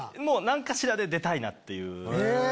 何かしらで出たいなっていう。